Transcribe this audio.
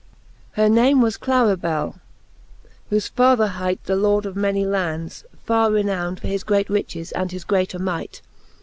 IV. Her name was Clarthell^ whofe father hight The Lord of Many Hands, farre renound For his great riches, and his greater might.